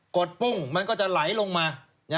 ดปุ้งมันก็จะไหลลงมา